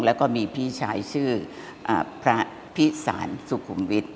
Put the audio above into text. แล้วก็มีพี่ชายชื่อพระพิสารสุขุมวิทย